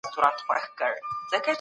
کتابونه د پوهي د لیږد مهم وسیله ده.